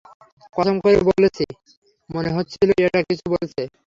কসম করে বলছি, মনে হচ্ছিল ওটা কিছু বলছে।